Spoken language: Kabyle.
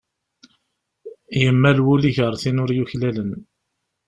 Yemmal wul-iw ɣer tin ur yuklalen.